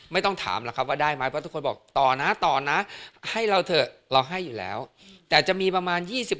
ไม่ต้องถามหรอกครับว่าได้ไหมเพราะทุกคนบอกต่อนะต่อนะให้เราเถอะเราให้อยู่แล้วแต่จะมีประมาณ๒๐